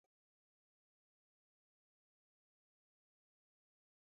He was educated at Wellington College and at the Royal Military College, Sandhurst.